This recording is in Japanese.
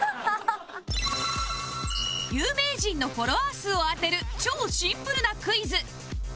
有名人のフォロワー数を当てる超シンプルなクイズ